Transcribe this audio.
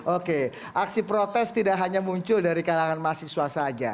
oke aksi protes tidak hanya muncul dari kalangan mahasiswa saja